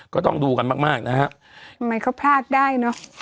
ก็ต้องดูกันมากนะครับทำไมเขาพลาดได้เนาะ